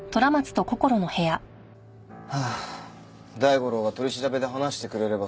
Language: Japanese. はあ大五郎が取り調べで話してくれればさ